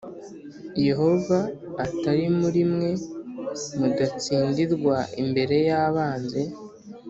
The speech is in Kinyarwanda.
Yehova atari muri mwe mudatsindirwa imbere y abanzi